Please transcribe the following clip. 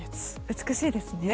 美しいですね。